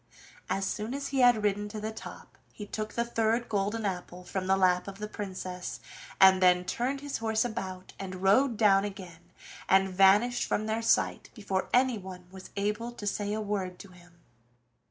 As soon as he had ridden to the top, he took the third golden apple from the lap of the Princess and then turned his horse about and rode down again, and vanished from their sight before anyone was able to say a word to him.